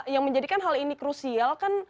yang menjadikan hal ini krusial kan